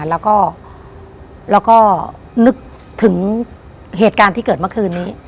แล้วก็นึกถึงเหตุการณ์ที่เกิดเมื่อคืนนี้